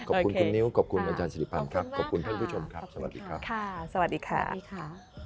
ขอบคุณคุณนิ้วขอบคุณอาจารย์สิริพรรณครับขอบคุณท่านผู้ชมครับสวัสดีค่ะสวัสดีค่ะ